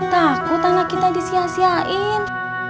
takut anak kita disiasiain